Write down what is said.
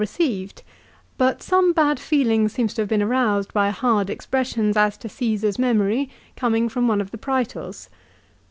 received ; but some bad feeling seems to have been aroused by hard expressions as to Caesar's memory coming from one of the Praetors.